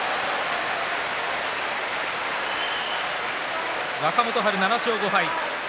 拍手若元春７勝５敗。